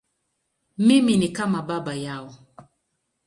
Mimi ni kama baba yao.